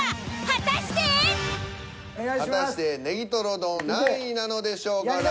果たしてねぎとろ丼何位なのでしょうか？